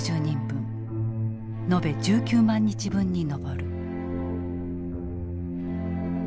延べ１９万日分に上る。